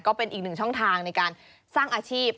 ก็เป็นอีกหนึ่งช่องทางในการสร้างอาชีพ